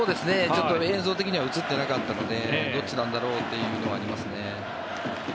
映像的には映ってなかったのでどっちなんだろうというのがありますね。